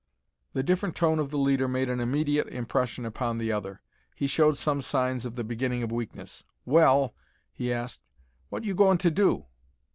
The different tone of the leader made an immediate impression upon the other. He showed some signs of the beginning of weakness. "Well," he asked, "what you goin' to do?"